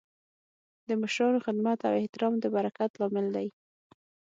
د مشرانو خدمت او احترام د برکت لامل دی.